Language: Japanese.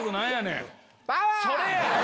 それや！